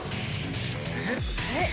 えっ？